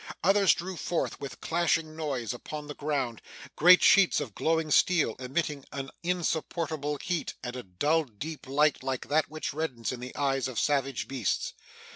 Others drew forth, with clashing noise, upon the ground, great sheets of glowing steel, emitting an insupportable heat, and a dull deep light like that which reddens in the eyes of savage beasts.